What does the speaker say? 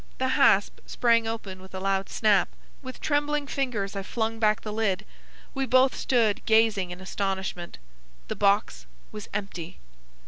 The hasp sprang open with a loud snap. With trembling fingers I flung back the lid. We both stood gazing in astonishment. The box was empty!